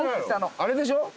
あれでしょ？